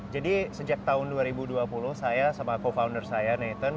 jadi sejak tahun dua ribu dua puluh saya sama co founder saya nathan